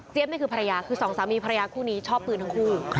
นี่คือภรรยาคือสองสามีภรรยาคู่นี้ชอบปืนทั้งคู่